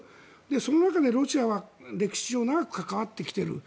その中でロシアは歴史上長く関わってきている。